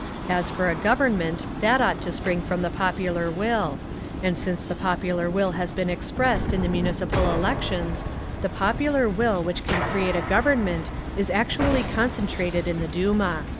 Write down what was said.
"As for a Government, that ought to spring from the popular will; and since the popular will has been expressed in the municipal elections, the popular will which can create a Government is actually concentrated in the Duma…."